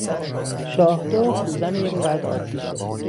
شاهدخت زن یک فرد عادی شد.